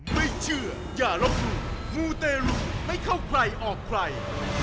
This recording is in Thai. ไม่เชื่ออย่าลบหลู่มูเตรุไม่เข้าใครออกใคร